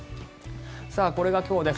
これが今日です。